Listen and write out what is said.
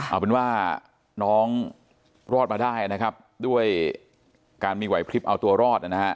เอาเป็นว่าน้องรอดมาได้นะครับด้วยการมีไหวพลิบเอาตัวรอดนะฮะ